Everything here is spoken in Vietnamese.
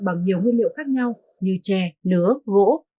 bằng nhiều nguyên liệu khác nhau như chè nứa gỗ